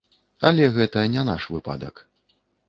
Але гэта не наш выпадак.